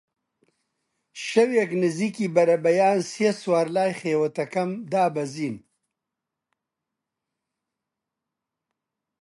شەوێک نزیکی بەربەیان سێ سوار لای خێوەتەکەم دابەزین